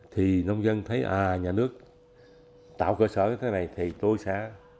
thì nông dân thấy à nhà nước tạo cửa sở thế này thì tôi sẽ qua trồng cái xoài